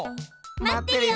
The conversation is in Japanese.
待ってるよ！